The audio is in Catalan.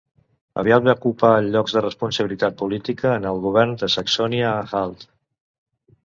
Aviat va ocupar llocs de responsabilitat política en el govern de Saxònia-Anhalt.